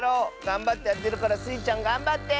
がんばってあてるからスイちゃんがんばって！